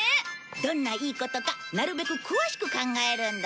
どんないいことかなるべく詳しく考えるんだ。